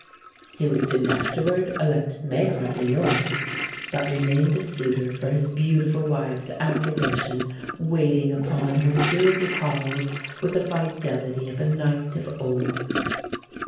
He was soon afterward elected Mayor of New York, but remained a suitor for his beautiful wife's approbation, waiting upon her in gilded halls with the fidelity of a knight of old.